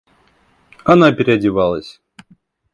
Она переодевалась.